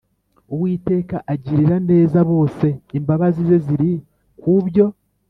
Uwiteka agirira neza bose Imbabazi ze ziri ku byo